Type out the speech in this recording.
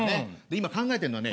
今考えてるのはね